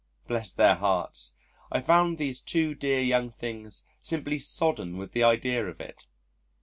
Bless their hearts, I found these two dear young things simply sodden with the idea of it.